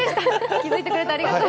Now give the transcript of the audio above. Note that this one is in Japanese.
気づいてくれてありがとう。